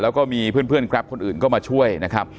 แล้วก็มีเพื่อนแกรปคนอื่นก็มาช่วยนะครับ